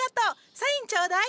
サインちょうだい。